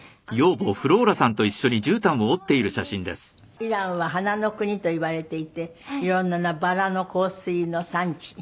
イランは花の国といわれていて色んなバラの香水の産地？